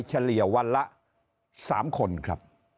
เฉลี่ยวันละ๓คนครับ